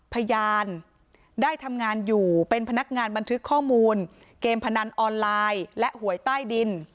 พยานได้ทำงานอยู่เป็นพนักงานบันทึกข้อมูลเกมพนันออนไลน์และหวยใต้ดิน